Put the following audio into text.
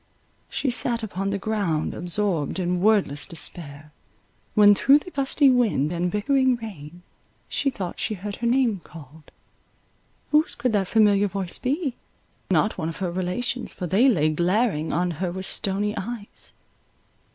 She sat upon the ground absorbed in wordless despair, when through the gusty wind and bickering rain she thought she heard her name called. Whose could that familiar voice be? Not one of her relations, for they lay glaring on her with stony eyes.